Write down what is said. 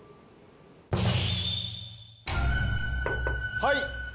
はい。